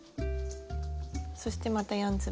そしてまた４粒。